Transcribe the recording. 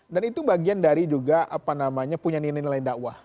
dan itu bagian dari juga punya nilai nilai dakwah